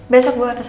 besok gue kesana ya